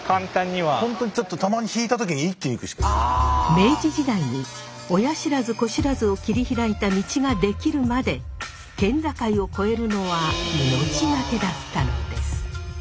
明治時代に親不知・子不知を切り開いた道ができるまで県境を越えるのは命懸けだったのです。